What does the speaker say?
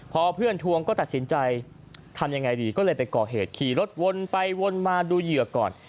พอเพื่อนทวงก็ตัดสินใจทำยังไงดีก็เลยไปก่อเหตุขี่รถวนไปวนมาดูเหยื่อก่อน